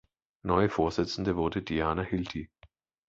Neue Vorsitzende wurde Diana Hilti.